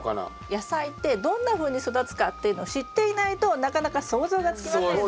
野菜ってどんなふうに育つかっていうのを知っていないとなかなか想像がつきませんね。